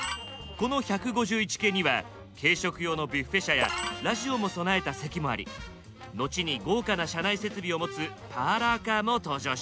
この１５１系には軽食用のビュフェ車やラジオも備えた席もあり後に豪華な車内設備を持つパーラーカーも登場しました。